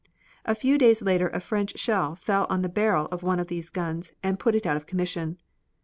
A few days later a French shell fell on the barrel of one of these guns and put it out of commission.